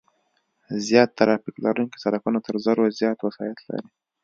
زیات ترافیک لرونکي سرکونه تر زرو زیات وسایط لري